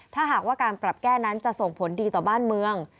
ถ้าหากว่าการปรับแก้นั้นจะส่งผลดีต่อบ้านเมือง